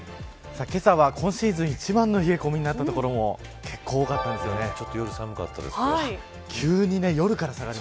けさは今シーズン一番の冷え込みになった所もちょっと夜、寒かったですよね。